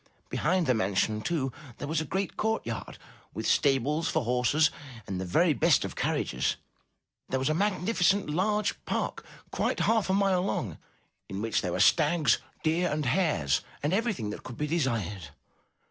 Behind the mansion, too, there was a great courtyard, with stables for horses and the very best of carriages. There was a magnificent large park, quite half a mile long, in which were stags, deer and hares, and everything that could be desired.